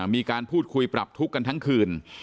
มีการพูดคุยปรับทุกข์กันทั้งคืน